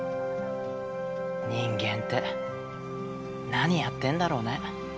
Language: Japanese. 人間って何やってんだろうね。